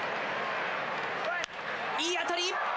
いい当たり！